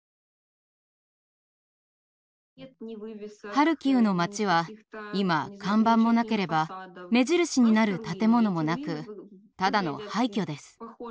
ハルキウの町は今看板もなければ目印になる建物もなくただの廃虚です。